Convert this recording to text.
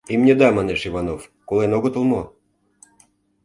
— Имньыда, — манеш Иванов, — колен огытыл мо?